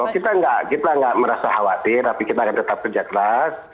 kita nggak merasa khawatir tapi kita akan tetap kerja keras